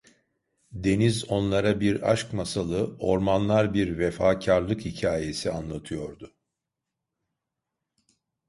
Deniz onlara bir aşk masalı, ormanlar bir vefakarlık hikayesi anlatıyordu.